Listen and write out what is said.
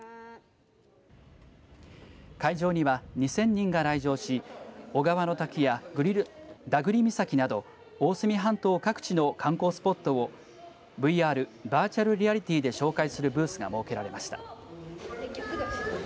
会場には２０００人が来場し雄川の滝やダグリ岬など大隅半島各地の観光スポットをＶＲ、バーチャルリアリティーで紹介するブースが設けられました。